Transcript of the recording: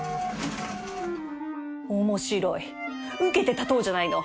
面白い受けて立とうじゃないの！